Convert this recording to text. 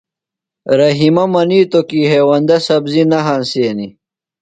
رحیمہ منِیتوۡ کی ہیوندہ سبزیۡ نہ ہنسینیۡ۔